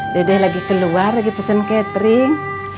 dede lagi keluar lagi pesen catering